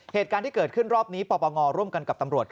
เหตุการณ์ที่เกิดขึ้นรอบนี้ปปงร่วมกันกับตำรวจ